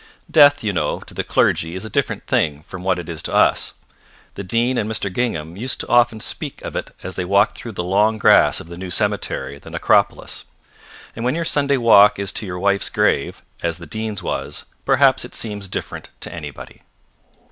Death, you know, to the clergy is a different thing from what it is to us. The Dean and Mr. Gingham used often to speak of it as they walked through the long grass of the new cemetery, the Necropolis. And when your Sunday walk is to your wife's grave, as the Dean's was, perhaps it seems different to anybody.